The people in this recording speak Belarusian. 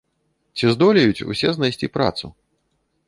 Ці здолеюць усе знайсці працу?